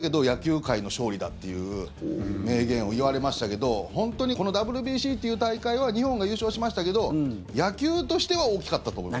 メキシコの監督が試合終わったあとに会見でうちは負けたけど野球界の勝利だという名言を言われましたけど本当にこのＷＢＣという大会は日本が優勝しましたけど野球としては大きかったと思います。